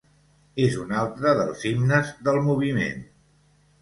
És un altre dels himnes del moviment.